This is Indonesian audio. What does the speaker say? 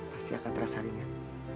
pasti akan terasa ringan